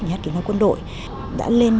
nhà hát kỹ năng quân đội đã lên